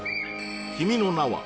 「君の名は。」